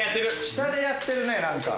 下でやってるねなんか。